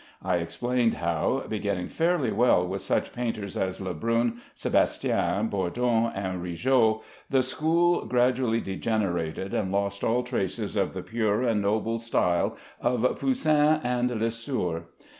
I explained how, beginning fairly well with such painters as Lebrun, Sebastian, Bourdon, and Rigaud, the school gradually degenerated, and lost all traces of the pure and noble style of Poussin and Lesueur.